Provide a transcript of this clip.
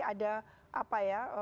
ada apa ya